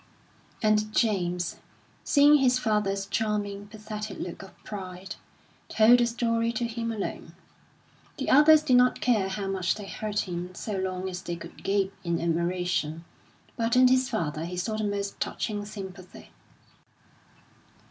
And James, seeing his father's charming, pathetic look of pride, told the story to him alone. The others did not care how much they hurt him so long as they could gape in admiration, but in his father he saw the most touching sympathy.